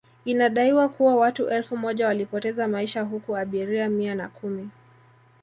Inadaiwa kuwa watu elfu moja walipoteza maisha huku abiria Mia na kumi